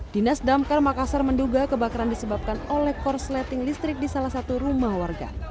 dinas damkar makassar menduga kebakaran disebabkan oleh korsleting listrik di salah satu rumah warga